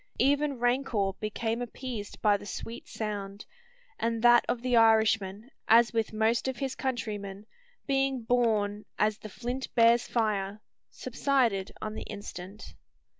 Even rancour became appeased by the sweet sound; and that of the Irishman, as with most of his countrymen, being born "as the flint bears fire," subsided on the instant.